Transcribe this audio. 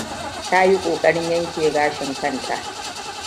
Ta yi kokarin yanke gashin kanta.